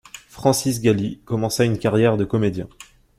Francis Gally commença une carrière de comédien.